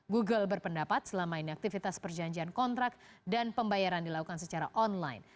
google berpendapat selama ini aktivitas perjanjian kontrak dan pembayaran dilakukan secara online